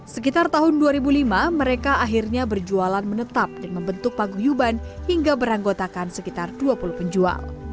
sekitar tahun dua ribu lima mereka akhirnya berjualan menetap dan membentuk paguyuban hingga beranggotakan sekitar dua puluh penjual